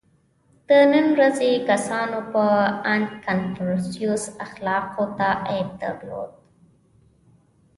• د نن ورځې کسانو په اند کنفوسیوس اخلاقیاتو عیب درلود.